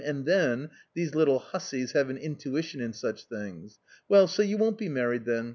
and then — these little Tiuumes have "an intuition in such things! ffiell, s o"" yog J w qjPt b e married then.